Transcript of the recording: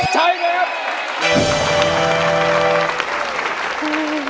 ใช้ครับ